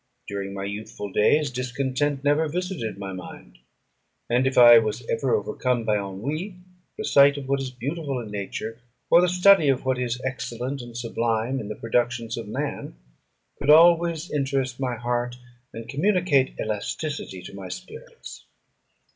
During my youthful days discontent never visited my mind; and if I was ever overcome by ennui, the sight of what is beautiful in nature, or the study of what is excellent and sublime in the productions of man, could always interest my heart, and communicate elasticity to my spirits.